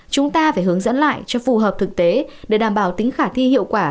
chúng ta phải hướng dẫn lại cho phù hợp thực tế để đảm bảo tính khả thi hiệu quả